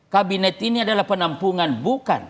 kabinet ini adalah penampungan bukan